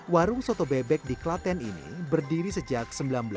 warung soto bebek di klaten ini berdiri sejak seribu sembilan ratus sembilan puluh